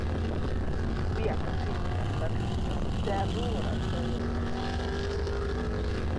Via kuzino verŝajne estas terure serioza persono!